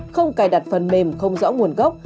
không cài đặt phần mềm không rõ nguồn gốc